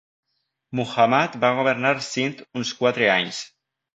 Muhammad va governar Sind uns quatre anys.